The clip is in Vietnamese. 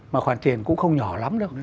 mà khoản tiền cũng không nhỏ lắm đâu